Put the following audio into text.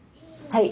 はい。